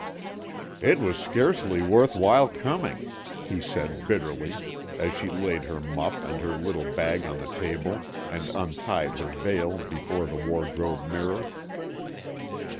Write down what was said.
"It was scarcely worth while coming," he said bitterly, as she laid her muff and her little bag on the table and untied her veil before the wardrobe mirror.